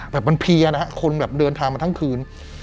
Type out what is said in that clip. แบบมันพีย์คนเดินทางมาทั้งคืน